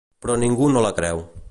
Però ningú no la creu.